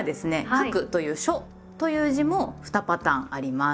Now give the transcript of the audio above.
「『書』く」という「書」という字も２パターンあります。